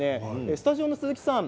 スタジオの鈴木さん